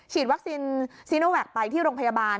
วัคซีนซีโนแวคไปที่โรงพยาบาล